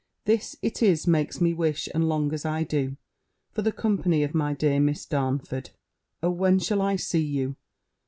This it is makes me wish and long as I do, for the company of my dear Miss Darnford. O when shall I see you?